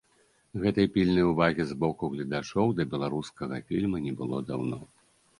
Гэткай пільнай увагі з боку гледачоў да беларускага фільма не было даўно.